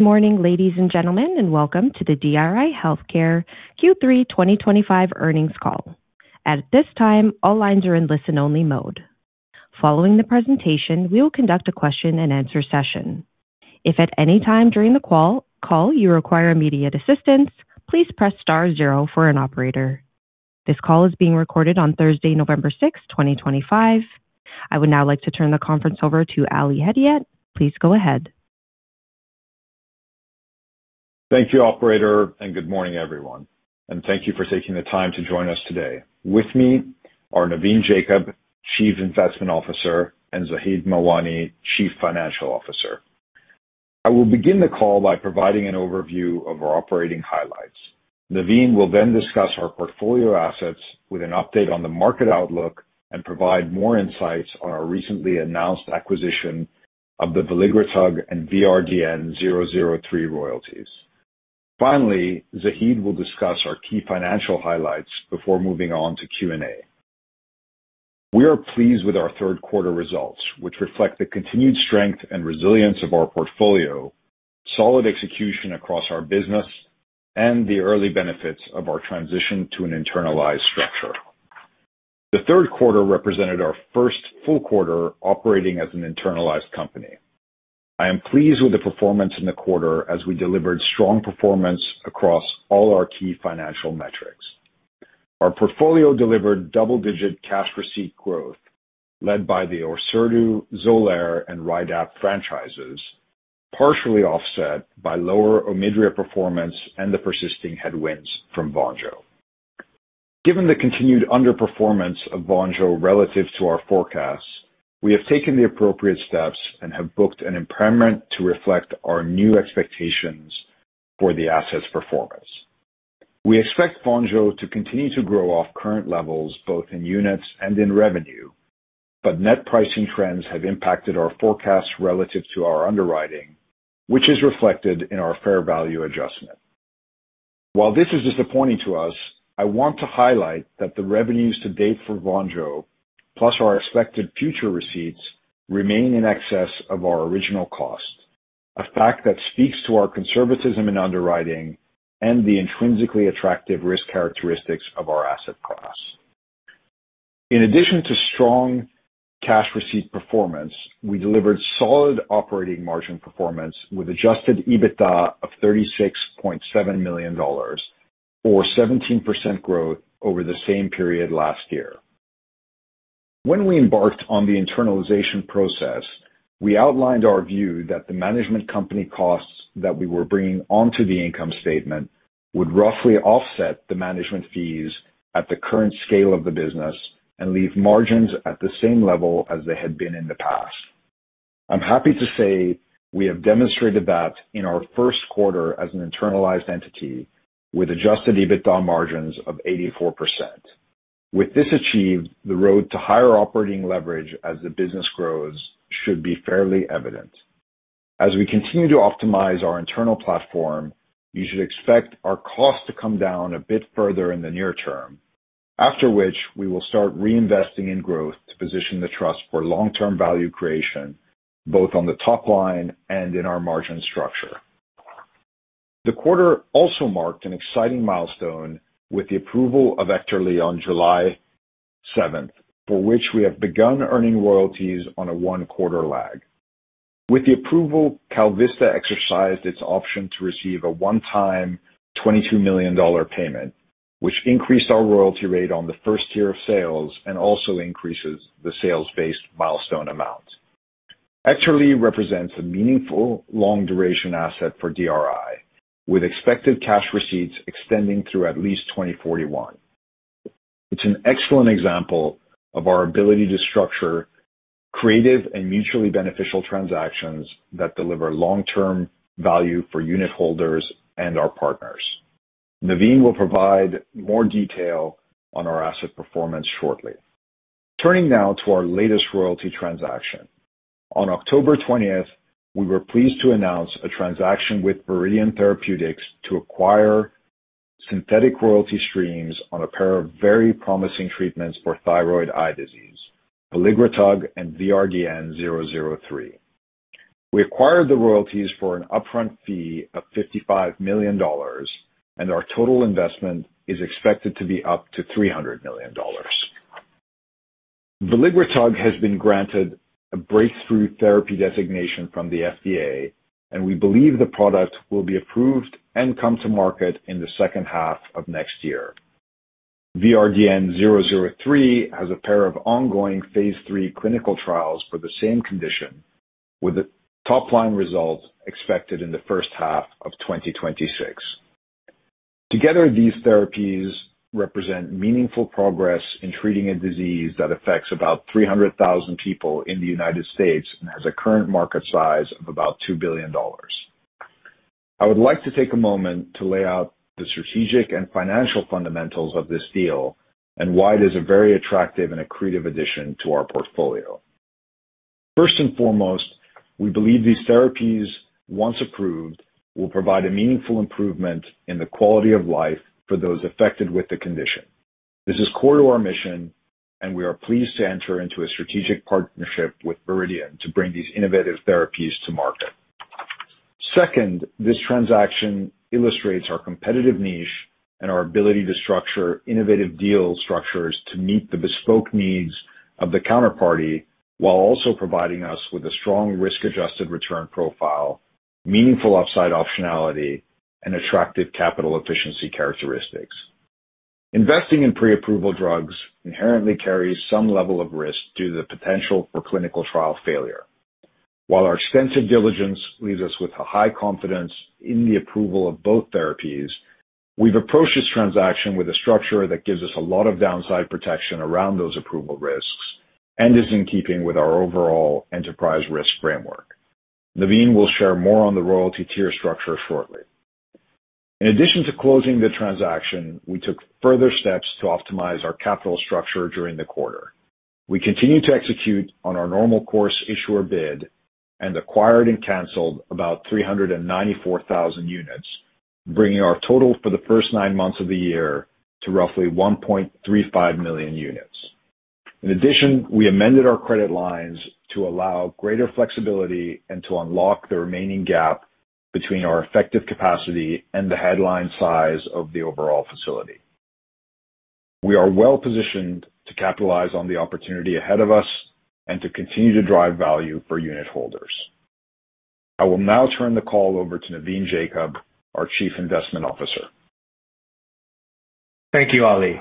Good morning, ladies and gentlemen, and welcome to the DRI Healthcare Q3 2025 Earnings Call. At this time, all lines are in listen-only mode. Following the presentation, we will conduct a question-and-answer session. If at any time during the call you require immediate assistance, please press star zero for an operator. This call is being recorded on Thursday, November 6, 2025. I would now like to turn the conference over to Ali Hedayat. Please go ahead. Thank you, Operator, and good morning, everyone. Thank you for taking the time to join us today. With me are Navin Jacob, Chief Investment Officer, and Zaheed Mawani, Chief Financial Officer. I will begin the call by providing an overview of our operating highlights. Navin will then discuss our portfolio assets with an update on the market outlook and provide more insights on our recently announced acquisition of the veligrotug and VRDN-003 royalties. Finally, Zaheed will discuss our key financial highlights before moving on to Q&A. We are pleased with our third-quarter results, which reflect the continued strength and resilience of our portfolio, solid execution across our business, and the early benefits of our transition to an internalized structure. The third quarter represented our first full quarter operating as an internalized company. I am pleased with the performance in the quarter as we delivered strong performance across all our key financial metrics. Our portfolio delivered double-digit cash receipt growth led by the Orserdu, Xolair, and Rydapt franchises, partially offset by lower Omidria performance and the persisting headwinds from Vonjo. Given the continued underperformance of Vonjo relative to our forecasts, we have taken the appropriate steps and have booked an impairment to reflect our new expectations for the asset's performance. We expect Vonjo to continue to grow off current levels both in units and in revenue, but net pricing trends have impacted our forecasts relative to our underwriting, which is reflected in our fair value adjustment. While this is disappointing to us, I want to highlight that the revenues to date for Vonjo, plus our expected future receipts, remain in excess of our original cost. A fact that speaks to our conservatism in underwriting and the intrinsically attractive risk characteristics of our asset class. In addition to strong cash receipt performance, we delivered solid operating margin performance with adjusted EBITDA of $36.7 million, or 17% growth over the same period last year. When we embarked on the internalization process, we outlined our view that the management company costs that we were bringing onto the income statement would roughly offset the management fees at the current scale of the business and leave margins at the same level as they had been in the past. I'm happy to say we have demonstrated that in our first quarter as an internalized entity with adjusted EBITDA margins of 84%. With this achieved, the road to higher operating leverage as the business grows should be fairly evident. As we continue to optimize our internal platform, you should expect our cost to come down a bit further in the near term, after which we will start reinvesting in growth to position the trust for long-term value creation, both on the top line and in our margin structure. The quarter also marked an exciting milestone with the approval of EKTERLY on July 7, for which we have begun earning royalties on a one-quarter lag. With the approval, KalVista exercised its option to receive a one-time $22 million payment, which increased our royalty rate on the first year of sales and also increases the sales-based milestone amount. EKTERLY represents a meaningful long-duration asset for DRI, with expected cash receipts extending through at least 2041. It's an excellent example of our ability to structure creative and mutually beneficial transactions that deliver long-term value for unit holders and our partners. Navin will provide more detail on our asset performance shortly. Turning now to our latest royalty transaction. On October 20, we were pleased to announce a transaction with Viridian Therapeutics to acquire synthetic royalty streams on a pair of very promising treatments for thyroid eye disease, veligrotug and VRDN-003. We acquired the royalties for an upfront fee of $55 million, and our total investment is expected to be up to $300 million. Veligrotug has been granted a breakthrough therapy designation from the FDA, and we believe the product will be approved and come to market in the second half of next year. VRDN-003 has a pair of ongoing phase III clinical trials for the same condition, with top-line results expected in the first half of 2026. Together, these therapies represent meaningful progress in treating a disease that affects about 300,000 people in the United States and has a current market size of about $2 billion. I would like to take a moment to lay out the strategic and financial fundamentals of this deal and why it is a very attractive and accretive addition to our portfolio. First and foremost, we believe these therapies, once approved, will provide a meaningful improvement in the quality of life for those affected with the condition. This is core to our mission, and we are pleased to enter into a strategic partnership with Viridian to bring these innovative therapies to market. Second, this transaction illustrates our competitive niche and our ability to structure innovative deal structures to meet the bespoke needs of the counterparty while also providing us with a strong risk-adjusted return profile, meaningful upside optionality, and attractive capital efficiency characteristics. Investing in pre-approval drugs inherently carries some level of risk due to the potential for clinical trial failure. While our extensive diligence leaves us with a high confidence in the approval of both therapies, we've approached this transaction with a structure that gives us a lot of downside protection around those approval risks and is in keeping with our overall enterprise risk framework. Navin will share more on the royalty tier structure shortly. In addition to closing the transaction, we took further steps to optimize our capital structure during the quarter. We continue to execute on our normal course issuer bid and acquired and canceled about 394,000 units, bringing our total for the first nine months of the year to roughly 1.35 million units. In addition, we amended our credit lines to allow greater flexibility and to unlock the remaining gap between our effective capacity and the headline size of the overall facility. We are well positioned to capitalize on the opportunity ahead of us and to continue to drive value for unit holders. I will now turn the call over to Navin Jacob, our Chief Investment Officer. Thank you, Ali.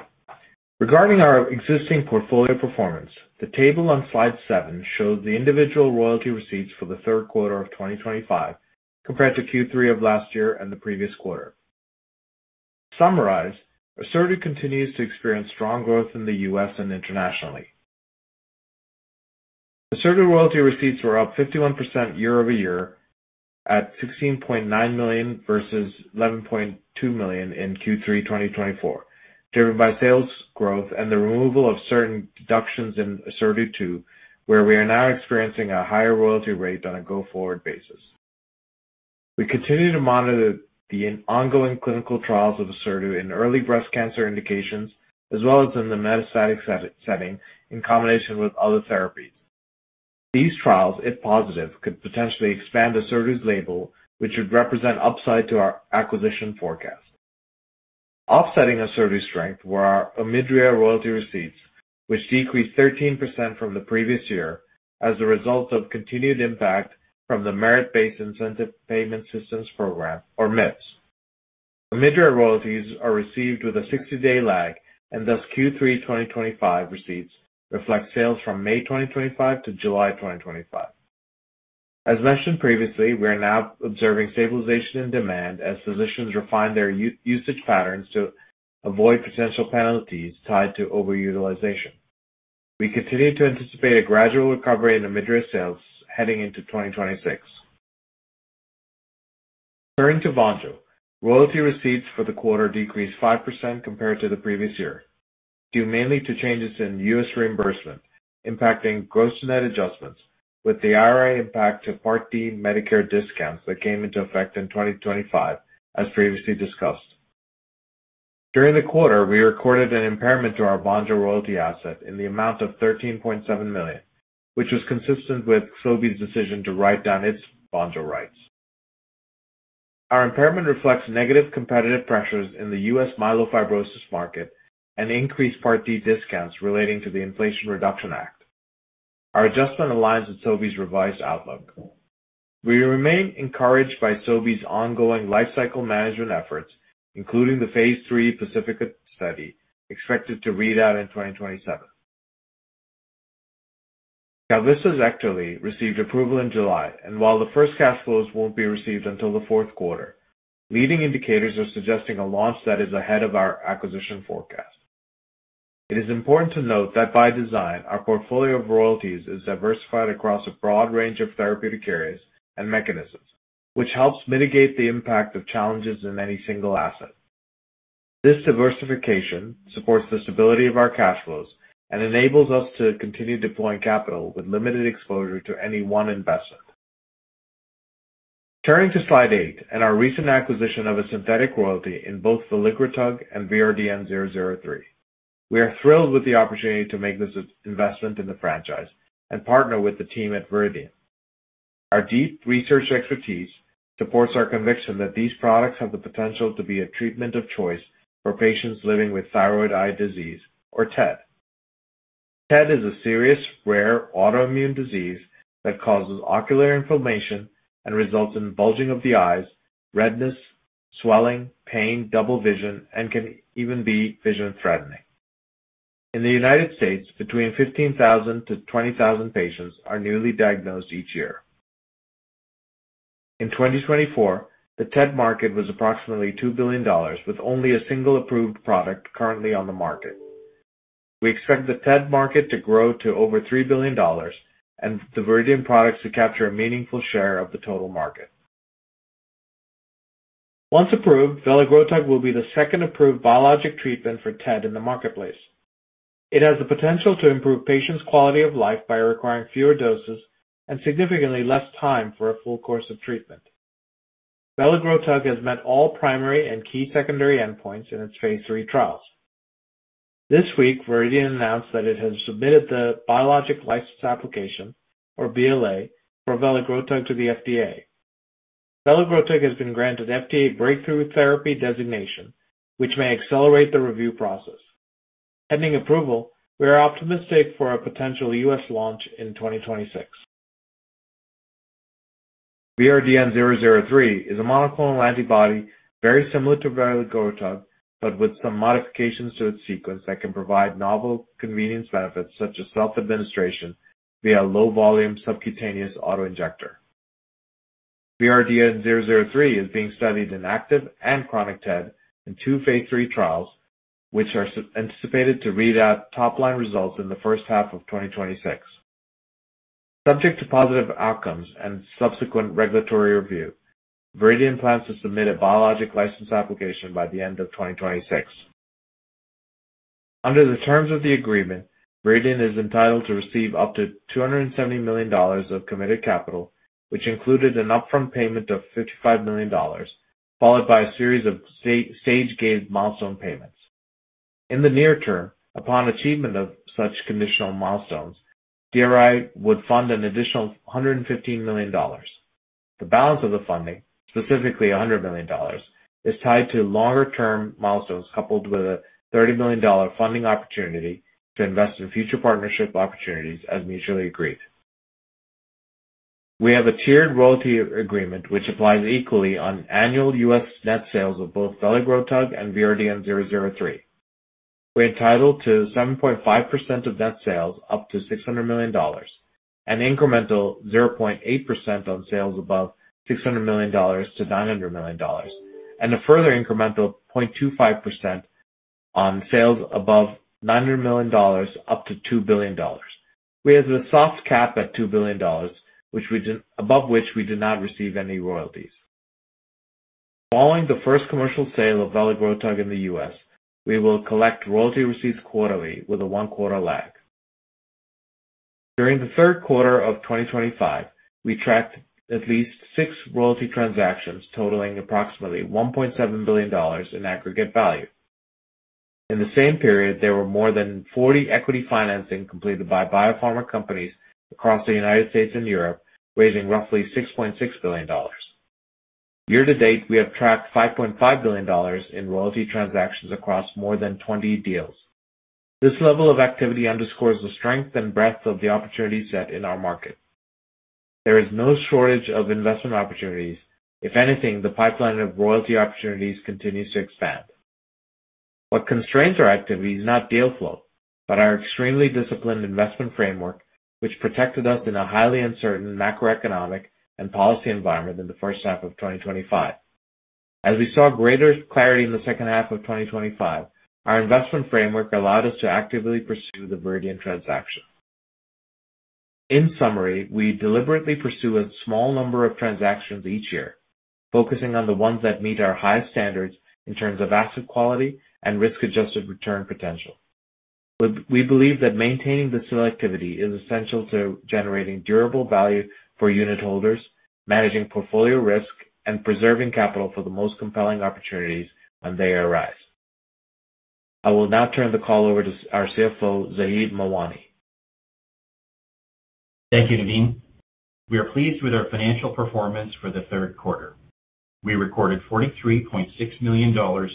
Regarding our existing portfolio performance, the table on slide 7 shows the individual royalty receipts for the third quarter of 2025 compared to Q3 of last year and the previous quarter. To summarize, Orserdu continues to experience strong growth in the U.S. and internationally. Orserdu royalty receipts were up 51% year over year at $16.9 million versus $11.2 million in Q3 2024, driven by sales growth and the removal of certain deductions in Orserdu II, where we are now experiencing a higher royalty rate on a go-forward basis. We continue to monitor the ongoing clinical trials of Orserdu in early breast cancer indications, as well as in the metastatic setting, in combination with other therapies. These trials, if positive, could potentially expand Orserdu's label, which would represent upside to our acquisition forecast. Offsetting Orserdu's strength were our Omidria royalty receipts, which decreased 13% from the previous year as a result of continued impact from the Merit-Based Incentive Payment System Program, or MIPS. Omidria royalties are received with a 60-day lag, and thus Q3 2025 receipts reflect sales from May 2025 to July 2025. As mentioned previously, we are now observing stabilization in demand as physicians refine their usage patterns to avoid potential penalties tied to overutilization. We continue to anticipate a gradual recovery in Omidria sales heading into 2026. Turning to Vonjo, royalty receipts for the quarter decreased 5% compared to the previous year, due mainly to changes in U.S. reimbursement impacting gross net adjustments, with the IRA impact to Part D Medicare discounts that came into effect in 2025, as previously discussed. During the quarter, we recorded an impairment to our Vonjo royalty asset in the amount of $13.7 million, which was consistent with Sobi's decision to write down its Vonjo rights. Our impairment reflects negative competitive pressures in the U.S. myelofibrosis market and increased Part D discounts relating to the Inflation Reduction Act. Our adjustment aligns with Sobi's revised outlook. We remain encouraged by Sobi's ongoing lifecycle management efforts, including the phase three Pacific study expected to read out in 2027. KalVista's EKTERLY received approval in July, and while the first cash flows will not be received until the fourth quarter, leading indicators are suggesting a launch that is ahead of our acquisition forecast. It is important to note that by design, our portfolio of royalties is diversified across a broad range of therapeutic areas and mechanisms, which helps mitigate the impact of challenges in any single asset. This diversification supports the stability of our cash flows and enables us to continue deploying capital with limited exposure to any one investment. Turning to slide 8 and our recent acquisition of a synthetic royalty in both veligrotug and VRDN-003, we are thrilled with the opportunity to make this investment in the franchise and partner with the team at Viridian. Our deep research expertise supports our conviction that these products have the potential to be a treatment of choice for patients living with thyroid eye disease, or TED. TED is a serious, rare autoimmune disease that causes ocular inflammation and results in bulging of the eyes, redness, swelling, pain, double vision, and can even be vision-threatening. In the United States, between 15,000-20,000 patients are newly diagnosed each year. In 2024, the TED market was approximately $2 billion, with only a single approved product currently on the market. We expect the TED market to grow to over $3 billion and the Viridian products to capture a meaningful share of the total market. Once approved, veligrotug will be the second approved biologic treatment for TED in the marketplace. It has the potential to improve patients' quality of life by requiring fewer doses and significantly less time for a full course of treatment. Veligrotug has met all primary and key secondary endpoints in its phase three trials. This week, Viridian announced that it has submitted the Biologic License Application, or BLA, for veligrotug to the FDA. Veligrotug has been granted FDA Breakthrough Therapy Designation, which may accelerate the review process. Pending approval, we are optimistic for a potential U..S launch in 2026. VRDN-003 is a monoclonal antibody very similar to veligrotug, but with some modifications to its sequence that can provide novel convenience benefits such as self-administration via a low-volume subcutaneous autoinjector. VRDN-003 is being studied in active and chronic TED in two phase three trials, which are anticipated to read out top-line results in the first half of 2026. Subject to positive outcomes and subsequent regulatory review, Viridian plans to submit a Biologic License Application by the end of 2026. Under the terms of the agreement, Viridian is entitled to receive up to $270 million of committed capital, which included an upfront payment of $55 million, followed by a series of stage-gained milestone payments. In the near term, upon achievement of such conditional milestones, DRI would fund an additional $115 million. The balance of the funding, specifically $100 million, is tied to longer-term milestones coupled with a $30 million funding opportunity to invest in future partnership opportunities, as mutually agreed. We have a tiered royalty agreement which applies equally on annual US net sales of both veligrotug and VRDN-003. We are entitled to 7.5% of net sales up to $600 million, an incremental 0.8% on sales above $600 million-$900 million, and a further incremental of 0.25% on sales above $900 million up to $2 billion. We have a soft cap at $2 billion, above which we do not receive any royalties. Following the first commercial sale of veligrotug in the U.S., we will collect royalty receipts quarterly with a one-quarter lag. During the third quarter of 2025, we tracked at least six royalty transactions totaling approximately $1.7 billion in aggregate value. In the same period, there were more than 40 equity financing completed by biopharma companies across the United States and Europe, raising roughly $6.6 billion. Year to date, we have tracked $5.5 billion in royalty transactions across more than 20 deals. This level of activity underscores the strength and breadth of the opportunity set in our market. There is no shortage of investment opportunities. If anything, the pipeline of royalty opportunities continues to expand. What constrains our activity is not deal flow, but our extremely disciplined investment framework, which protected us in a highly uncertain macroeconomic and policy environment in the first half of 2025. As we saw greater clarity in the second half of 2025, our investment framework allowed us to actively pursue the Viridian transaction. In summary, we deliberately pursue a small number of transactions each year, focusing on the ones that meet our highest standards in terms of asset quality and risk-adjusted return potential. We believe that maintaining this selectivity is essential to generating durable value for unit holders, managing portfolio risk, and preserving capital for the most compelling opportunities when they arise. I will now turn the call over to our CFO, Zaheed Mawani. Thank you, Navin. We are pleased with our financial performance for the third quarter. We recorded $43.6 million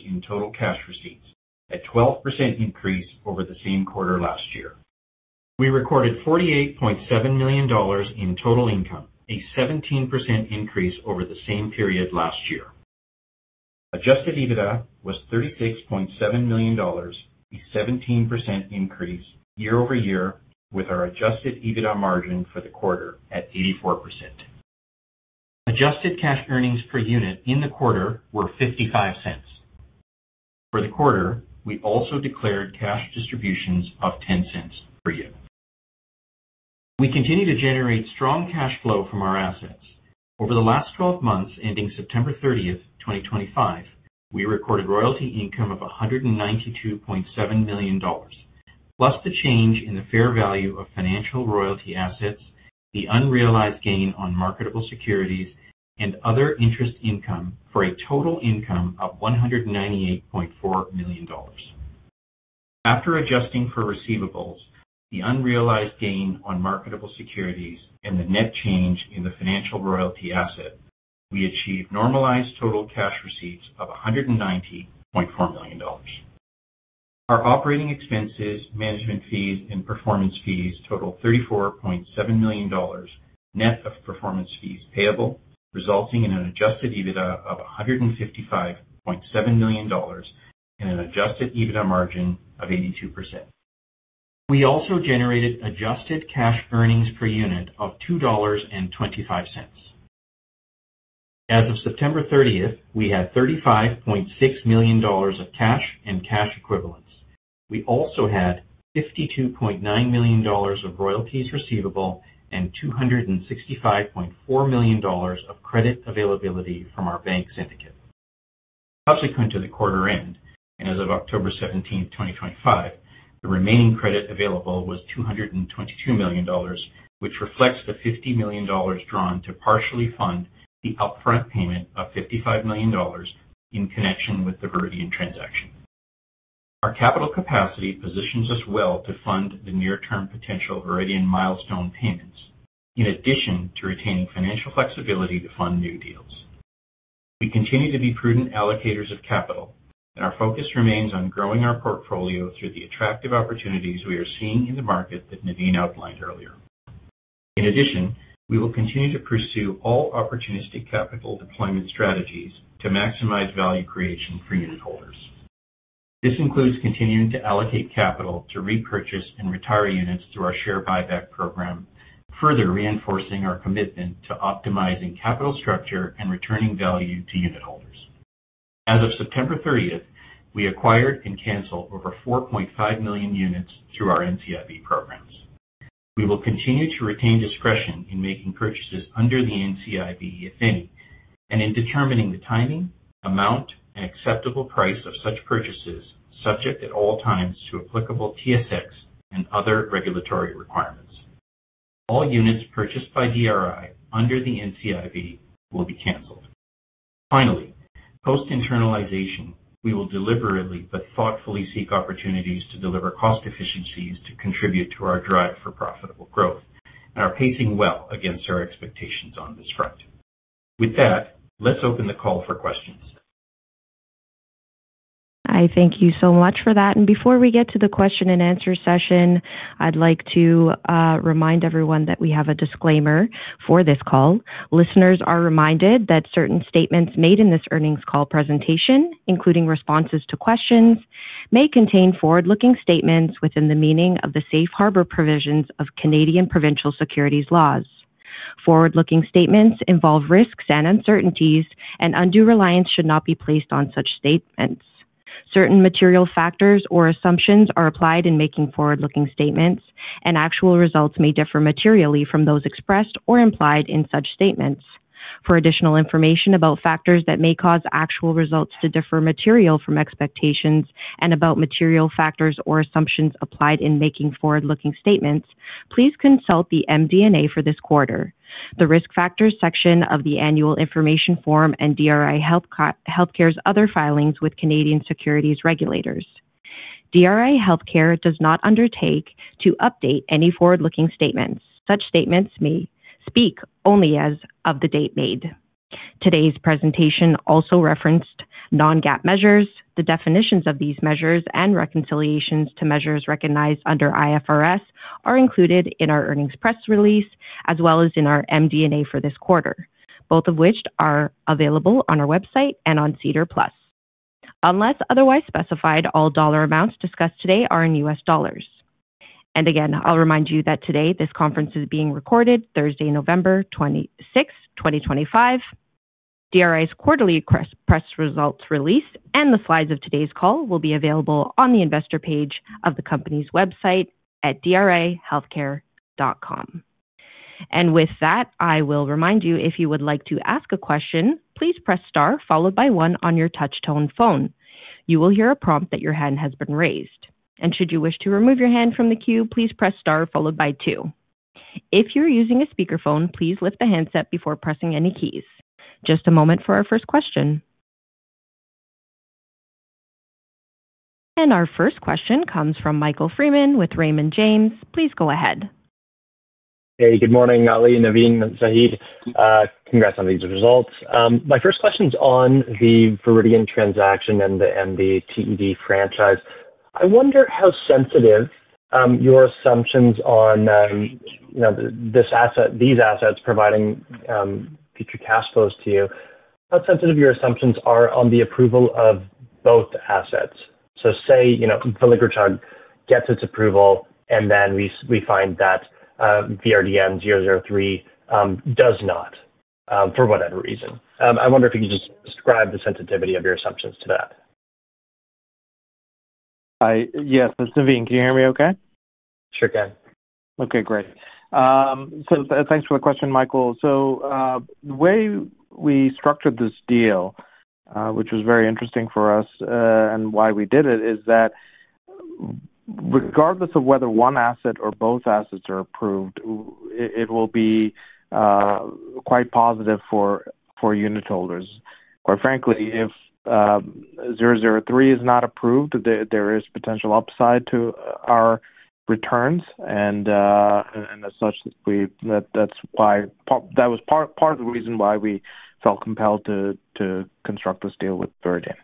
in total cash receipts, a 12% increase over the same quarter last year. We recorded $48.7 million in total income, a 17% increase over the same period last year. Adjusted EBITDA was $36.7 million, a 17% increase year over year, with our adjusted EBITDA margin for the quarter at 84%. Adjusted cash earnings per unit in the quarter were $0.55. For the quarter, we also declared cash distributions of $0.10 per unit. We continue to generate strong cash flow from our assets. Over the last 12 months, ending September 30, 2025, we recorded royalty income of $192.7 million, plus the change in the fair value of financial royalty assets, the unrealized gain on marketable securities, and other interest income for a total income of $198.4 million. After adjusting for receivables, the unrealized gain on marketable securities, and the net change in the financial royalty asset, we achieved normalized total cash receipts of $190.4 million. Our operating expenses, management fees, and performance fees total $34.7 million. Net of performance fees payable, resulting in an adjusted EBITDA of $155.7 million. An adjusted EBITDA margin of 82%. We also generated adjusted cash earnings per unit of $2.25. As of September 30th, we had $35.6 million of cash and cash equivalents. We also had $52.9 million of royalties receivable and $265.4 million of credit availability from our bank syndicate. Subsequent to the quarter end, and as of October 17, 2025, the remaining credit available was $222 million, which reflects the $50 million drawn to partially fund the upfront payment of $55 million in connection with the Viridian transaction. Our capital capacity positions us well to fund the near-term potential Viridian milestone payments, in addition to retaining financial flexibility to fund new deals. We continue to be prudent allocators of capital, and our focus remains on growing our portfolio through the attractive opportunities we are seeing in the market that Navin outlined earlier. In addition, we will continue to pursue all opportunistic capital deployment strategies to maximize value creation for unit holders. This includes continuing to allocate capital to repurchase and retire units through our share buyback program, further reinforcing our commitment to optimizing capital structure and returning value to unit holders. As of September 30th, we acquired and canceled over 4.5 million units through our NCIB programs. We will continue to retain discretion in making purchases under the NCIB, if any, and in determining the timing, amount, and acceptable price of such purchases, subject at all times to applicable TSX and other regulatory requirements. All units purchased by DRI under the NCIB will be canceled. Finally, post-internalization, we will deliberately but thoughtfully seek opportunities to deliver cost efficiencies to contribute to our drive for profitable growth, and are pacing well against our expectations on this front. With that, let's open the call for questions. Hi, thank you so much for that. Before we get to the question-and-answer session, I'd like to remind everyone that we have a disclaimer for this call. Listeners are reminded that certain statements made in this earnings call presentation, including responses to questions, may contain forward-looking statements within the meaning of the safe harbor provisions of Canadian provincial securities laws. Forward-looking statements involve risks and uncertainties, and undue reliance should not be placed on such statements. Certain material factors or assumptions are applied in making forward-looking statements, and actual results may differ materially from those expressed or implied in such statements. For additional information about factors that may cause actual results to differ materially from expectations and about material factors or assumptions applied in making forward-looking statements, please consult the MD&A for this quarter. The risk factors section of the annual information form and DRI Healthcare's other filings with Canadian securities regulators. DRI Healthcare does not undertake to update any forward-looking statements. Such statements may speak only as of the date made. Today's presentation also referenced non-GAAP measures. The definition of these measures and reconciliations to measures recognized under IFRS are included in our earnings press release as well as in our MD&A for this quarter, both of which are available on our website and on SEDAR+. Unless otherwise specified, all dollar amounts discussed today are in U.S. dollars. And again, I'll remind you that today this conference is being recorded, Thursday November 26, 2025, DRI's quarterly press results release and the slides of today's call will be available on the investor page of the company's website at drihealthcare.com. I will remind you, if you would like to ask a question, please press star followed by one on your touch-tone phone. You will hear a prompt that your hand has been raised. Should you wish to remove your hand from the queue, please press star followed by two. If you're using a speakerphone, please lift the handset before pressing any keys. Just a moment for our first question. Our first question comes from Michael Freeman with Raymond James. Please go ahead. Hey, good morning, Ali, Navin, Zaheed. Congrats on these results. My first question is on the Viridian transaction and the TED franchise. I wonder how sensitive your assumptions on this asset, these assets providing future cash flows to you, how sensitive your assumptions are on the approval of both assets. Say veligrotug gets its approval, and then we find that VRDN-003 does not, for whatever reason. I wonder if you could just describe the sensitivity of your assumptions to that. Yes. It's Navin. Can you hear me okay? Sure can. Okay, great. Thanks for the question, Michael. The way we structured this deal, which was very interesting for us and why we did it, is that regardless of whether one asset or both assets are approved, it will be quite positive for unit holders. Quite frankly, if 003 is not approved, there is potential upside to our returns. As such, that's why that was part of the reason why we felt compelled to construct this deal with Viridian.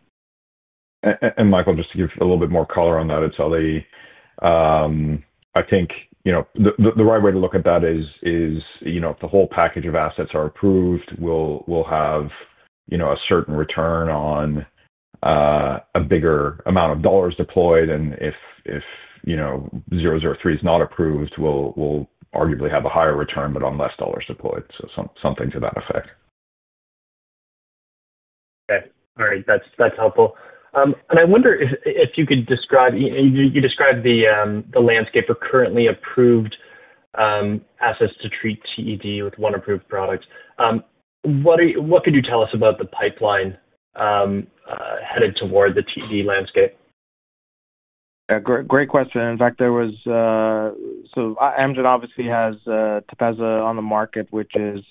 Michael, just to give a little bit more color on that, it's Ali. I think the right way to look at that is if the whole package of assets are approved, we'll have a certain return on a bigger amount of dollars deployed. And if 003 is not approved, we'll arguably have a higher return, but on less dollars deployed. So something to that effect. Okay. All right. That's helpful. I wonder if you could describe, you described the landscape for currently approved assets to treat TED with one approved product. What could you tell us about the pipeline headed toward the TED landscape? Yeah. Great question. In fact, there was. So Amgen obviously has TEPEZZA on the market, which is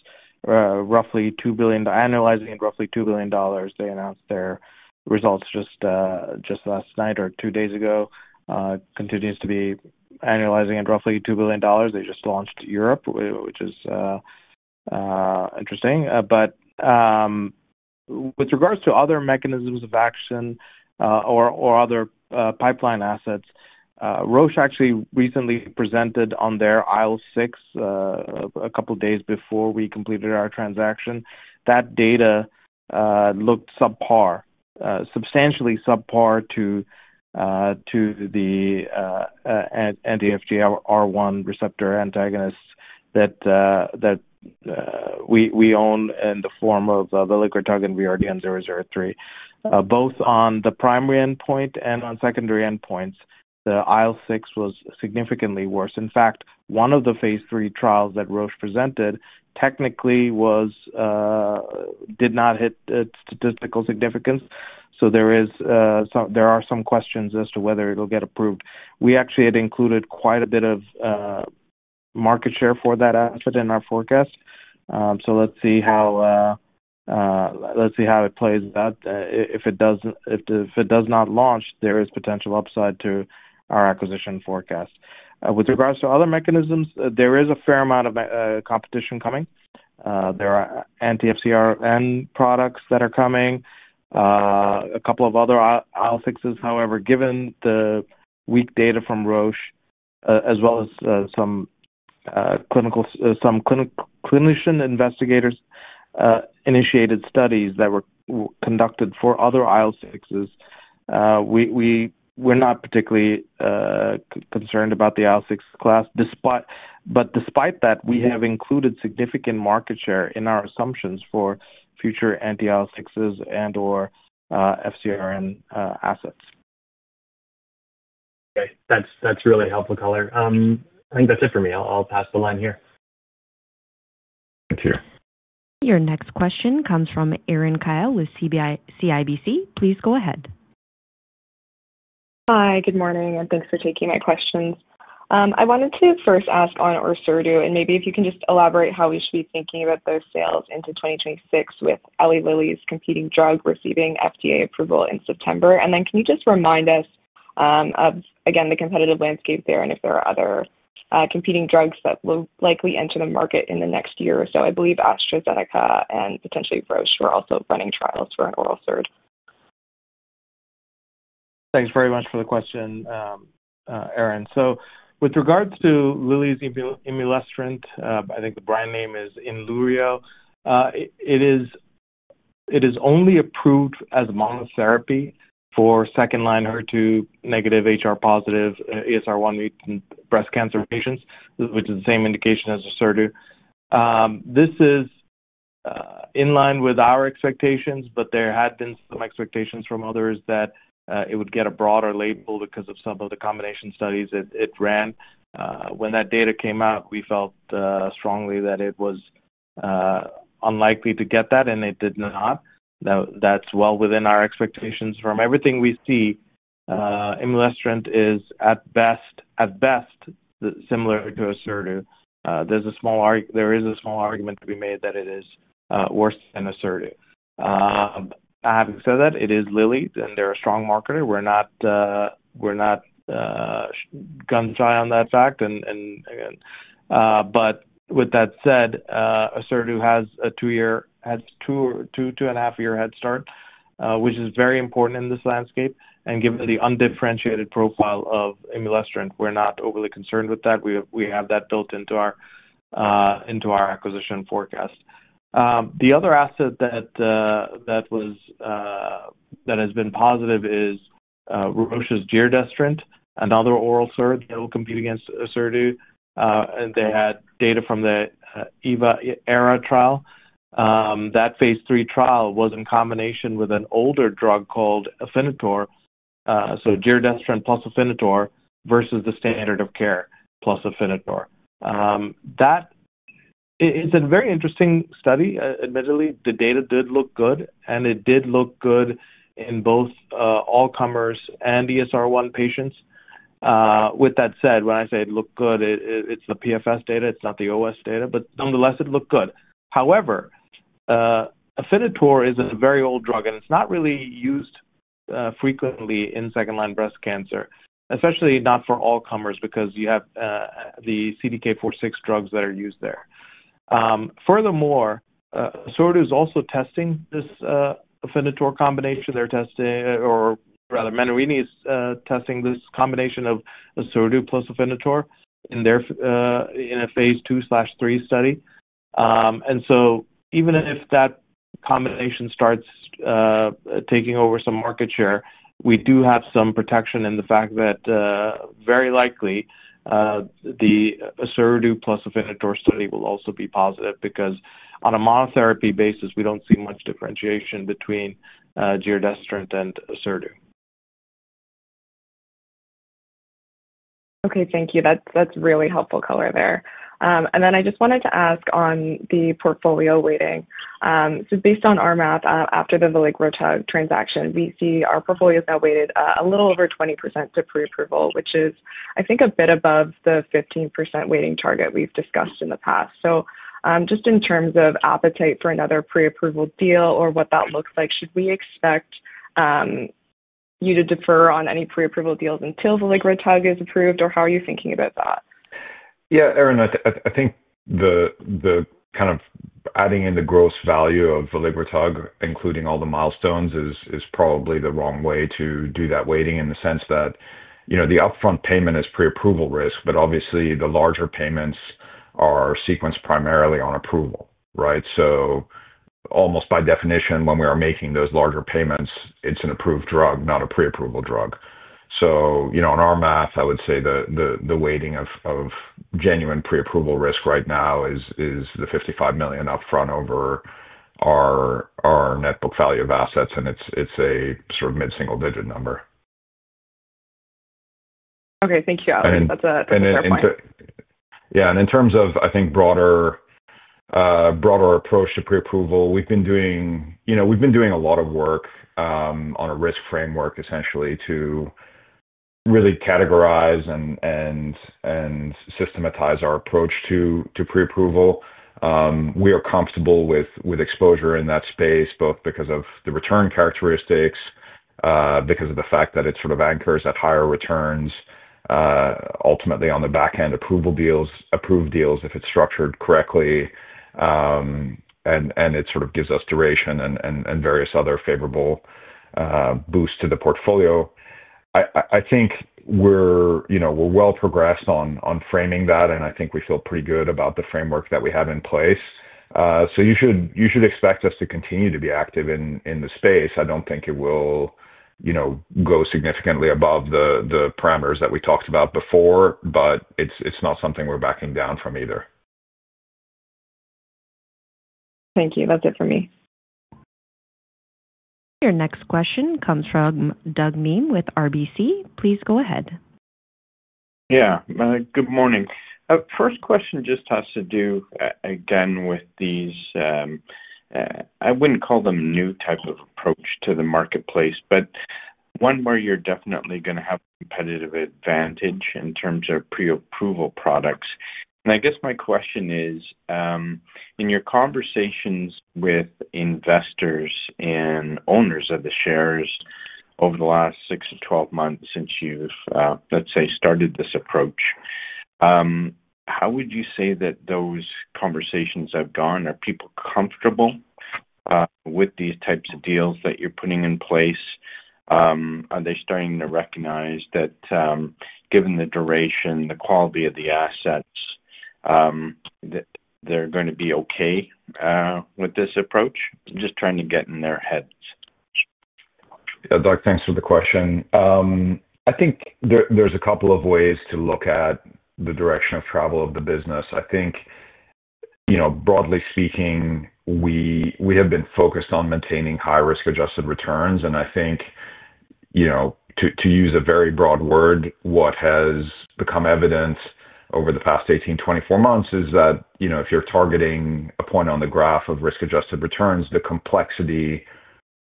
roughly $2 billion, annualizing at roughly $2 billion. They announced their results just last night or two days ago. Continues to be annualizing at roughly $2 billion. They just launched Europe, which is interesting. With regards to other mechanisms of action or other pipeline assets, Roche actually recently presented on their IL-6. A couple of days before we completed our transaction. That data looked subpar, substantially subpar to the NTFG R1 receptor antagonists that we own in the form of veligrotug and VRDN-003. Both on the primary endpoint and on secondary endpoints, the IL-6 was significantly worse. In fact, one of the phase III trials that Roche presented technically did not hit statistical significance. There are some questions as to whether it'll get approved. We actually had included quite a bit of market share for that asset in our forecast. Let's see how it plays out. If it does not launch, there is potential upside to our acquisition forecast. With regards to other mechanisms, there is a fair amount of competition coming. There are anti-FcRn products that are coming, a couple of other IL-6s. However, given the weak data from Roche, as well as some clinician investigator-initiated studies that were conducted for other IL-6s, we're not particularly concerned about the IL-6 class. Despite that, we have included significant market share in our assumptions for future anti-IL-6s and/or FcRn assets. Okay. That's really helpful color. I think that's it for me. I'll pass the line here. Your next question comes from Erin Kyle with CIBC. Please go ahead. Hi, good morning, and thanks for taking my questions. I wanted to first ask on Orserdu, and maybe if you can just elaborate how we should be thinking about those sales into 2026 with Eli Lilly's competing drug receiving FDA approval in September. Can you just remind us of, again, the competitive landscape there and if there are other competing drugs that will likely enter the market in the next year or so? I believe AstraZeneca and potentially Roche were also running trials for an oral SERD. Thanks very much for the question, Erin. With regards to Lilly's imulestrant, I think the brand name is Inluriyo. It is only approved as a monotherapy for second-line HER2-negative, HR-positive, ESR1-mutated breast cancer patients, which is the same indication as Orserdu. This is in line with our expectations, but there had been some expectations from others that it would get a broader label because of some of the combination studies it ran. When that data came out, we felt strongly that it was unlikely to get that, and it did not. That is well within our expectations. From everything we see, Imulestrant is at best similar to Orserdu. There is a small argument to be made that it is worse than Orserdu. Having said that, it is Lilly, and they are a strong marketer. We are not gun shy on that fact. Again. With that said, Orserdu has a two-year, has two, two and a half-year head start, which is very important in this landscape. Given the undifferentiated profile of Imulestrant, we're not overly concerned with that. We have that built into our acquisition forecast. The other asset that has been positive is Roche's giredestrant, another oral SERD that will compete against Orserdu. They had data from the EVA ERA trial. That phase three trial was in combination with an older drug called Afinitor. So, giredestrant plus Afinitor versus the standard of care plus Afinitor. It's a very interesting study. Admittedly, the data did look good, and it did look good in both all-comers and ESR1 patients. With that said, when I say it looked good, it's the PFS data. It's not the OS data. Nonetheless, it looked good. However. Afinitor is a very old drug, and it's not really used frequently in second-line breast cancer, especially not for all-comers because you have the CDK4/6 drugs that are used there. Furthermore, Orserdu is also testing this Afinitor combination. They're testing, or rather, Menarini is testing this combination of Orserdu plus Afinitor in a phase II/III study. Even if that combination starts taking over some market share, we do have some protection in the fact that very likely the Orserdu plus Afinitor study will also be positive because on a monotherapy basis, we don't see much differentiation between giredestrant and Orserdu. Okay. Thank you. That's really helpful color there. I just wanted to ask on the portfolio weighting. Based on our math, after the veligrotug transaction, we see our portfolio is now weighted a little over 20% to pre-approval, which is, I think, a bit above the 15% weighting target we've discussed in the past. Just in terms of appetite for another pre-approval deal or what that looks like, should we expect you to defer on any pre-approval deals until veligrotug is approved? How are you thinking about that? Yeah, Erin, I think the kind of adding in the gross value of veligrotug, including all the milestones, is probably the wrong way to do that weighting in the sense that the upfront payment is pre-approval risk, but obviously, the larger payments are sequenced primarily on approval, right? Almost by definition, when we are making those larger payments, it's an approved drug, not a pre-approval drug. In our math, I would say the weighting of genuine pre-approval risk right now is the $55 million upfront over our net book value of assets. It's a sort of mid-single-digit number. Okay. Thank you. That's a fair point. Yeah. In terms of, I think, broader approach to pre-approval, we've been doing a lot of work on a risk framework, essentially, to really categorize and systematize our approach to pre-approval. We are comfortable with exposure in that space, both because of the return characteristics, because of the fact that it sort of anchors at higher returns. Ultimately, on the back end, approved deals, if it's structured correctly. It sort of gives us duration and various other favorable boosts to the portfolio. I think we're well progressed on framing that, and I think we feel pretty good about the framework that we have in place. You should expect us to continue to be active in the space. I don't think it will go significantly above the parameters that we talked about before, but it's not something we're backing down from either. Thank you. That's it for me. Your next question comes from Doug Miehm with RBC. Please go ahead. Yeah. Good morning. First question just has to do, again, with these. I would not call them new types of approach to the marketplace, but one where you are definitely going to have competitive advantage in terms of pre-approval products. I guess my question is. In your conversations with investors and owners of the shares over the last 6-12 months since you have, let's say, started this approach. How would you say that those conversations have gone? Are people comfortable with these types of deals that you are putting in place? Are they starting to recognize that, given the duration, the quality of the assets, they are going to be okay with this approach? I am just trying to get in their heads. Yeah. Doug, thanks for the question. I think there's a couple of ways to look at the direction of travel of the business. I think, broadly speaking, we have been focused on maintaining high-risk adjusted returns. I think, to use a very broad word, what has become evident over the past 18-24 months is that if you're targeting a point on the graph of risk-adjusted returns, the complexity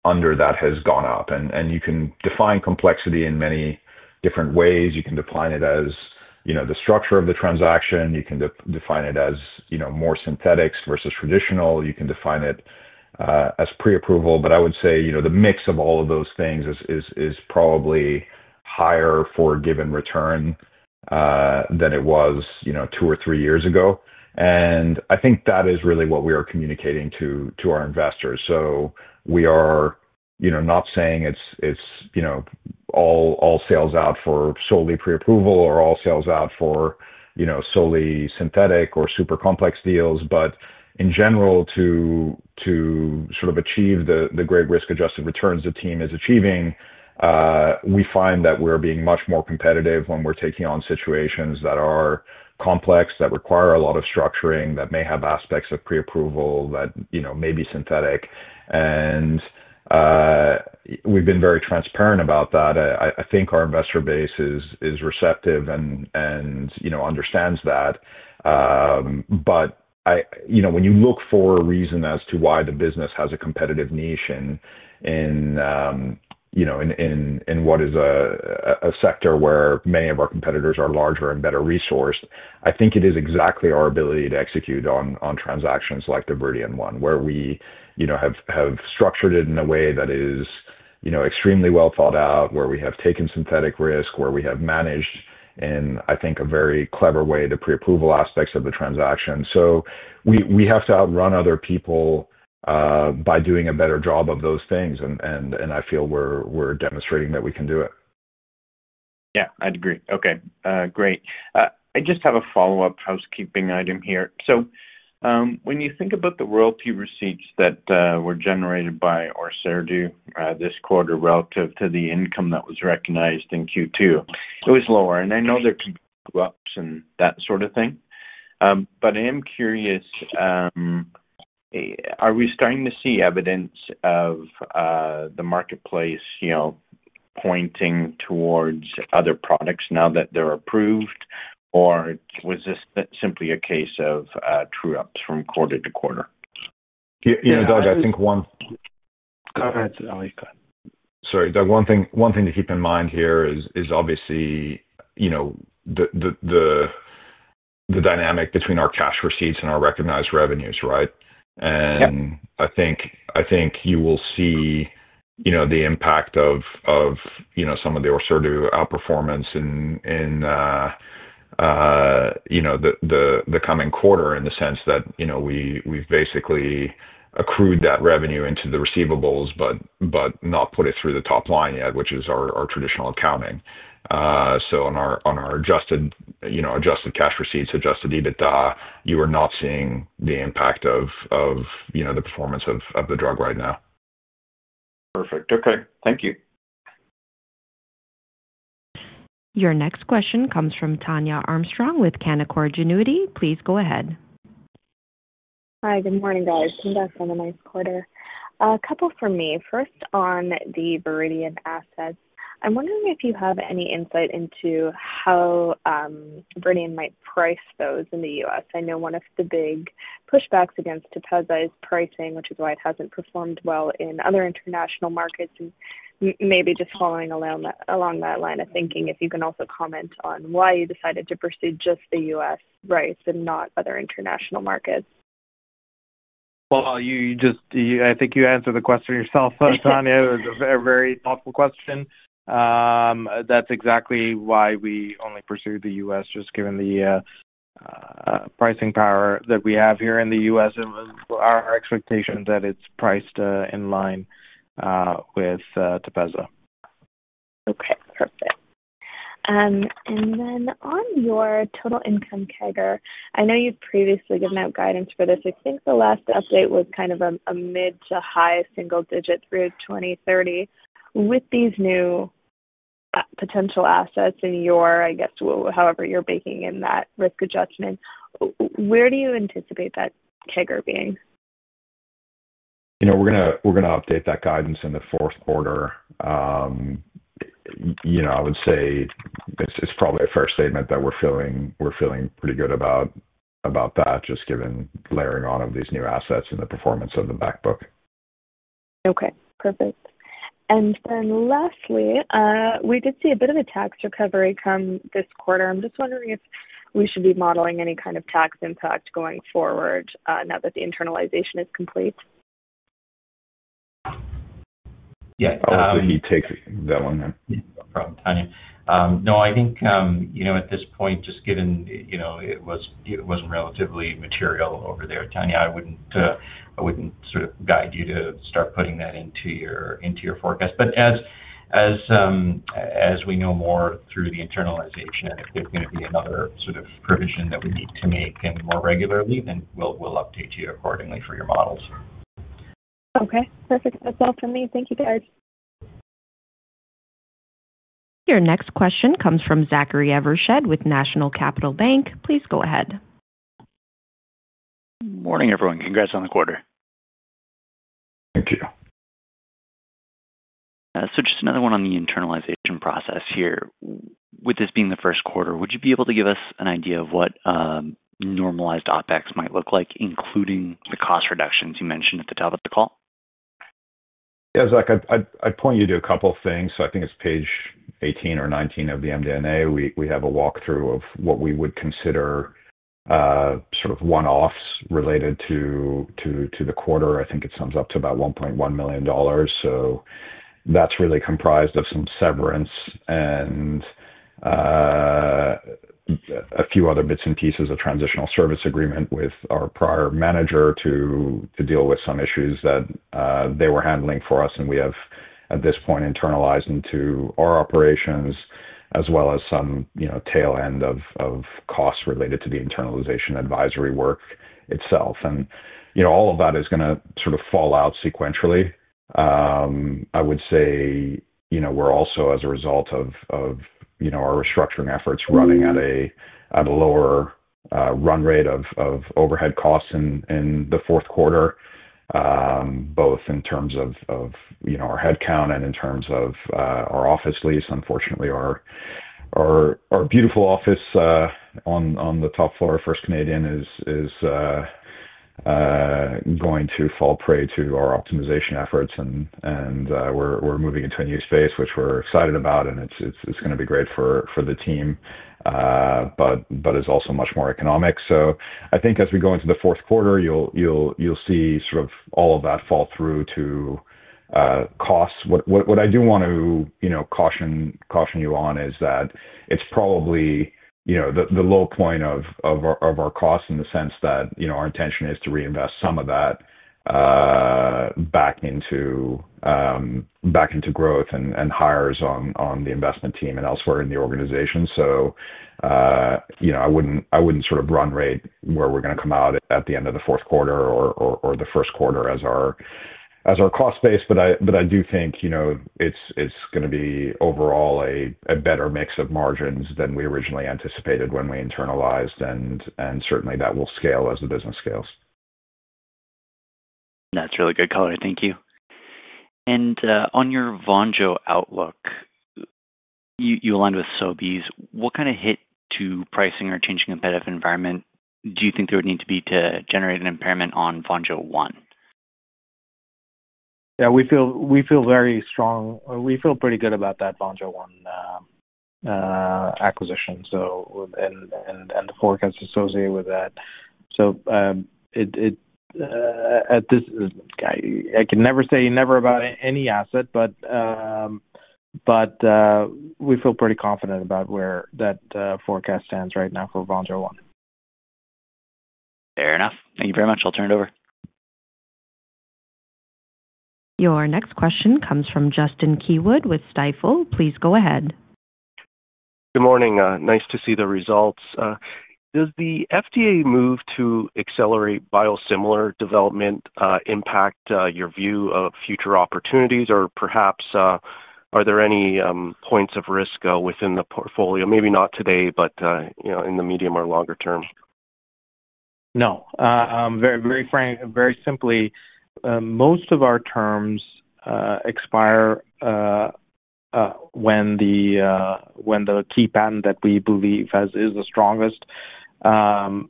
under that has gone up. You can define complexity in many different ways. You can define it as the structure of the transaction. You can define it as more synthetics versus traditional. You can define it as pre-approval. I would say the mix of all of those things is probably higher for a given return than it was two or three years ago. I think that is really what we are communicating to our investors. We are not saying it is all sales out for solely pre-approval or all sales out for solely synthetic or super complex deals. In general, to sort of achieve the great risk-adjusted returns the team is achieving, we find that we are being much more competitive when we are taking on situations that are complex, that require a lot of structuring, that may have aspects of pre-approval, that may be synthetic. We have been very transparent about that. I think our investor base is receptive and understands that. When you look for a reason as to why the business has a competitive niche in what is a sector where many of our competitors are larger and better resourced, I think it is exactly our ability to execute on transactions like the Viridian one, where we have structured it in a way that is extremely well thought out, where we have taken synthetic risk, where we have managed in, I think, a very clever way the pre-approval aspects of the transaction. We have to outrun other people by doing a better job of those things. I feel we're demonstrating that we can do it. Yeah. I'd agree. Okay. Great. I just have a follow-up housekeeping item here. When you think about the royalty receipts that were generated by Orserdu this quarter relative to the income that was recognized in Q2, it was lower. I know there can be gaps and that sort of thing. I am curious. Are we starting to see evidence of the marketplace pointing towards other products now that they're approved? Was this simply a case of true-ups from quarter to quarter? Yeah. Doug, I think one. Go ahead. Sorry. Doug, one thing to keep in mind here is obviously the dynamic between our cash receipts and our recognized revenues, right? I think you will see the impact of some of the Orserdu outperformance in the coming quarter in the sense that we've basically accrued that revenue into the receivables but not put it through the top line yet, which is our traditional accounting. On our adjusted cash receipts, adjusted EBITDA, you are not seeing the impact of the performance of the drug right now. Perfect. Okay. Thank you. Your next question comes from Tania Armstrong with Canaccord Genuity. Please go ahead. Hi. Good morning, guys. Congrats on the nice quarter. A couple for me. First, on the Viridian assets. I'm wondering if you have any insight into how Viridian might price those in the US. I know one of the big pushbacks against TEPEZZA is pricing, which is why it hasn't performed well in other international markets. Maybe just following along that line of thinking, if you can also comment on why you decided to pursue just the U.S. rights and not other international markets. I think you answered the question yourself, Tanya. It was a very thoughtful question. That's exactly why we only pursued the U.S., just given the pricing power that we have here in the U.S. and our expectation that it's priced in line with TEPEZZA. Okay. Perfect. On your total income CAGR, I know you've previously given out guidance for this. I think the last update was kind of a mid to high single-digit through 2030. With these new potential assets and your, I guess, however you're baking in that risk adjustment, where do you anticipate that CAGR being? We're going to update that guidance in the fourth quarter. I would say it's probably a fair statement that we're feeling pretty good about that, just given layering on of these new assets and the performance of the backbook. Okay. Perfect. Lastly, we did see a bit of a tax recovery come this quarter. I'm just wondering if we should be modeling any kind of tax impact going forward now that the internalization is complete. Yeah. I'll let you take that one then. No problem, Tania. No, I think at this point, just given it wasn't relatively material over there, Tania, I wouldn't sort of guide you to start putting that into your forecast. As we know more through the internalization, if there's going to be another sort of provision that we need to make more regularly, then we'll update you accordingly for your models. Okay. Perfect. That's all for me. Thank you, guys. Your next question comes from Zachary Evershed with National Capital Bank. Please go ahead. Morning, everyone. Congrats on the quarter. Thank you. Just another one on the internalization process here. With this being the first quarter, would you be able to give us an idea of what normalized OpEx might look like, including the cost reductions you mentioned at the top of the call? Yeah. I'd point you to a couple of things. I think it's page 18 or 19 of the MD&A. We have a walkthrough of what we would consider sort of one-offs related to the quarter. I think it sums up to about $1.1 million. That's really comprised of some severance and a few other bits and pieces of transitional service agreement with our prior manager to deal with some issues that they were handling for us. We have, at this point, internalized into our operations, as well as some tail end of costs related to the internalization advisory work itself. All of that is going to sort of fall out sequentially. I would say we're also, as a result of our restructuring efforts, running at a lower run rate of overhead costs in the fourth quarter, both in terms of our headcount and in terms of our office lease. Unfortunately, our beautiful office on the top floor of First Canadian is going to fall prey to our optimization efforts. We are moving into a new space, which we are excited about. It is going to be great for the team, but is also much more economic. I think as we go into the fourth quarter, you will see sort of all of that fall through to costs. What I do want to caution you on is that it is probably the low point of our costs in the sense that our intention is to reinvest some of that back into growth and hires on the investment team and elsewhere in the organization. I would not sort of run rate where we are going to come out at the end of the fourth quarter or the first quarter as our cost base. I do think it's going to be overall a better mix of margins than we originally anticipated when we internalized. Certainly, that will scale as the business scales. That's really good color. Thank you. And on your Vonjo outlook. You aligned with Sobi's, what kind of hit to pricing or changing competitive environment do you think there would need to be to generate an impairment on Vonjo I? Yeah. We feel very strong. We feel pretty good about that Vonjo One acquisition and the forecast associated with that. It. I can never say never about any asset, but we feel pretty confident about where that forecast stands right now for Vonjo I. Fair enough. Thank you very much. I'll turn it over. Your next question comes from Justin Keywood with Stifel. Please go ahead. Good morning. Nice to see the results. Does the FDA move to accelerate biosimilar development impact your view of future opportunities? Or perhaps, are there any points of risk within the portfolio? Maybe not today, but in the medium or longer term. No. Very simply. Most of our terms expire when the key patent that we believe is the strongest, when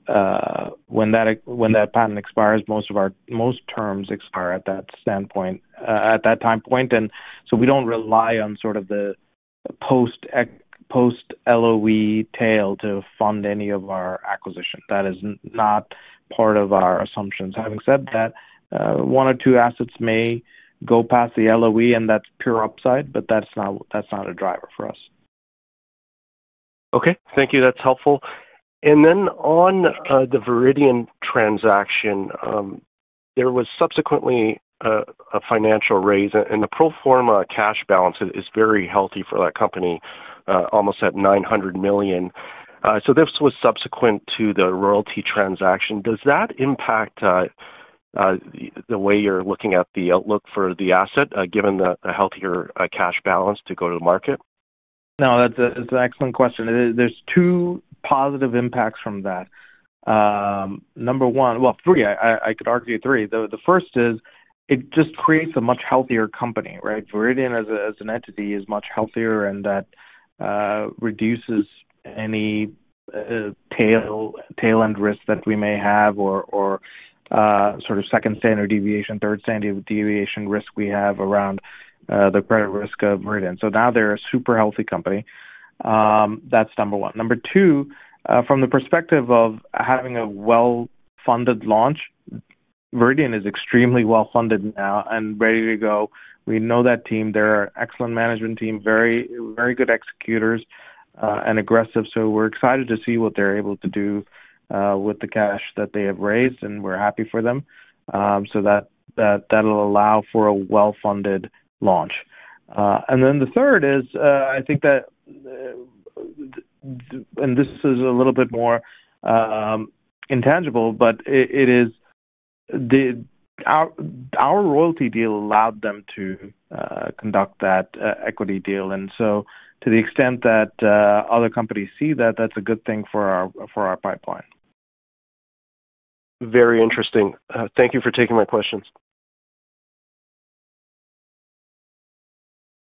that patent expires, most terms expire at that standpoint, at that time point. We do not rely on sort of the post-LOE tail to fund any of our acquisition. That is not part of our assumptions. Having said that, one or two assets may go past the LOE, and that is pure upside, but that is not a driver for us. Okay. Thank you. That's helpful. On the Viridian transaction, there was subsequently a financial raise, and the pro forma cash balance is very healthy for that company, almost at $900 million. This was subsequent to the royalty transaction. Does that impact the way you're looking at the outlook for the asset, given a healthier cash balance to go to the market? No, that's an excellent question. There's two positive impacts from that. Number one—well, three, I could argue three. The first is it just creates a much healthier company, right? Viridian, as an entity, is much healthier, and that reduces any tail-end risk that we may have or sort of second standard deviation, third standard deviation risk we have around the credit risk of Viridian. Now they're a super healthy company. That's number one. Number two, from the perspective of having a well-funded launch, Viridian is extremely well-funded now and ready to go. We know that team. They're an excellent management team, very good executors, and aggressive. We're excited to see what they're able to do with the cash that they have raised, and we're happy for them. That'll allow for a well-funded launch. The third is, I think that—this is a little bit more intangible, but it is. Our royalty deal allowed them to conduct that equity deal. To the extent that other companies see that, that's a good thing for our pipeline. Very interesting. Thank you for taking my questions.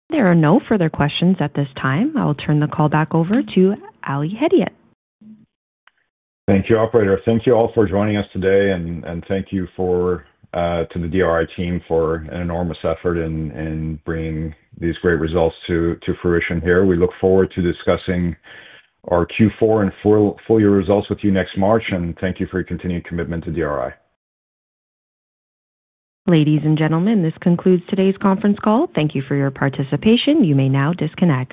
There are no further questions at this time. I will turn the call back over to Ali Hedayat. Thank you, operator. Thank you all for joining us today. Thank you to the DRI team for an enormous effort in bringing these great results to fruition here. We look forward to discussing our Q4 and full-year results with you next March. Thank you for your continued commitment to DRI. Ladies and gentlemen, this concludes today's conference call. Thank you for your participation. You may now disconnect.